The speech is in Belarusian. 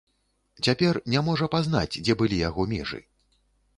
Цяпер не можа пазнаць, дзе былі яго межы.